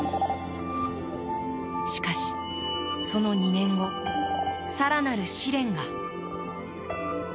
しかし、その２年後更なる試練が。